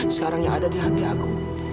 yang sekarang yang ada di hati aku